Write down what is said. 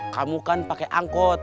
kamu kan pake angkot